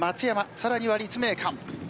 さらには立命館。